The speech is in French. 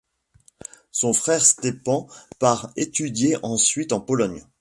Son frère Stepan part étudier ensuite en Pologne.